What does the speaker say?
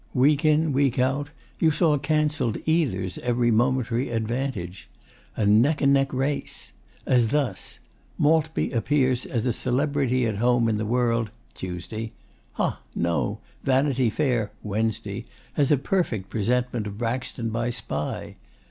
Week in, week out, you saw cancelled either's every momentary advantage. A neck and neck race. As thus: Maltby appears as a Celebrity At Home in the World (Tuesday). Ha! No, Vanity Fair (Wednesday) has a perfect presentment of Braxton by 'Spy.